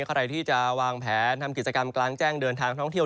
ใครที่จะวางแผนทำกิจกรรมกลางแจ้งเดินทางท่องเที่ยว